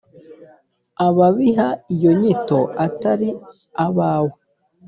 Ababiha iyo nyito atari abawe,